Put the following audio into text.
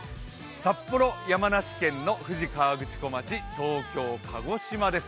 札幌、山梨県の富士河口湖町、東京、鹿児島です。